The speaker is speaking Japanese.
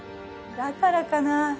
だからかな？